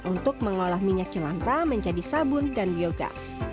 untuk mengolah minyak jelanta menjadi sabun dan biogas